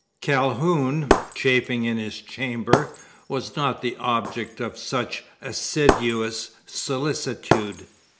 Calhoun, chafing in his chamber, was not the object of such assiduous solicitude.